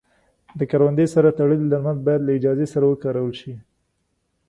د کروندې سره تړلي درمل باید له اجازې سره وکارول شي.